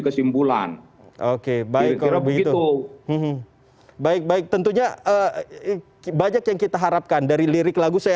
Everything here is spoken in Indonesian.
kesimpulan oke baik kalau begitu baik baik tentunya banyak yang kita harapkan dari lirik lagu saya